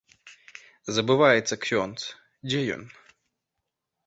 Забываецца ксёндз, дзе ён.